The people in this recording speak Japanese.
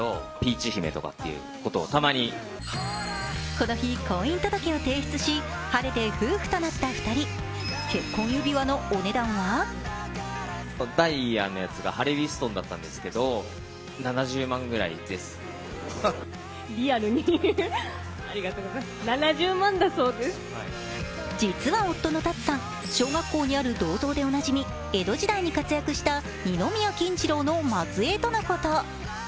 この日、婚姻届を提出し晴れて夫婦となった２人、結婚指輪のお値段は実は夫のＴＡＴＳＵさん、小学校にある銅像でおなじみ、江戸時代に活躍した二宮金次郎の末えいとのこと。